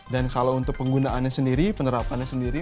dan kalau untuk penggunaannya sendiri penerapannya sendiri